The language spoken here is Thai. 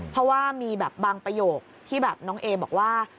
เพราะว่ามีแบบบางประโยคที่แบบน้องเอบอกว่า